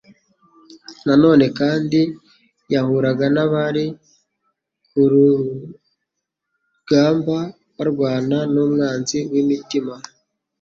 Na none kandi y_ahuraga n'abari_ku rtzgamba barwana n'umwanzi w'imitima.